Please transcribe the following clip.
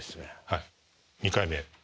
はい２回目。